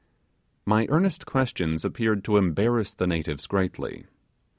My earnest questions appeared to embarrass the natives greatly.